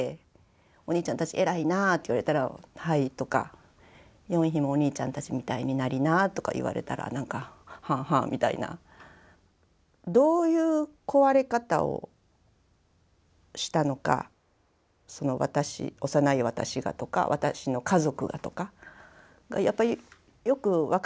「お兄ちゃんたち偉いな」って言われたら「はい」とか。「ヨンヒもお兄ちゃんたちみたいになりな」とか言われたら「はあはあ」みたいな。どういう壊れ方をしたのか幼い私がとか私の家族がとかやっぱりよく分からなかったんだと思います。